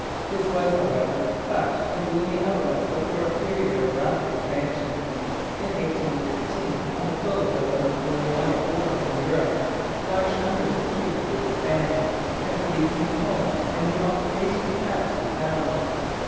This was, however, but the gloomy outlook before a period of rapid expansion. In 1816, on the close of the Napoleonic wars in Europe, large numbers of troops were disbanded, and for these new homes and new occupations had to be found.